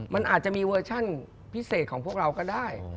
มันอาจจะมีเวอร์ชั่นพิเศษของพวกเราก็ได้